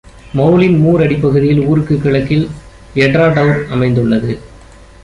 மௌலின் மூர் அடிப்பகுதியில், ஊருக்குக் கிழக்கில் எட்ராடௌர் அமைந்துள்ளது.